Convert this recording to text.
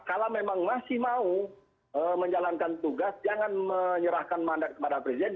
kalau memang masih mau menjalankan tugas jangan menyerahkan mandat kepada presiden